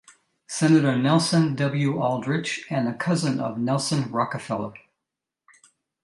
Senator Nelson W. Aldrich and a cousin of Nelson Rockefeller.